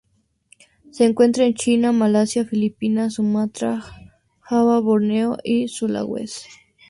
Se encuentra en China, Malasia, Filipinas, Sumatra, Java, Borneo y Sulawesi.